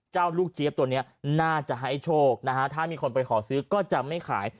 ลูกเจี๊ยบตัวนี้น่าจะให้โชคนะฮะถ้ามีคนไปขอซื้อก็จะไม่ขาย